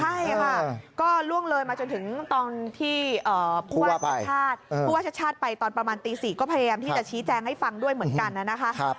ใช่ค่ะก็ร่วงเลยมาจนถึงตอนที่ผู้ว่าชาติไปตอนประมาณตี๔ก็พยายามที่จะชี้แจงให้ฟังด้วยเหมือนกันนะครับ